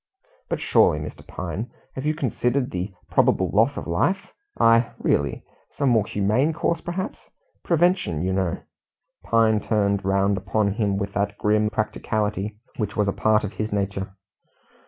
"But surely, Mr. Pine, have you considered the probable loss of life? I really some more humane course perhaps? Prevention, you know " Pine turned round upon him with that grim practicality which was a part of his nature.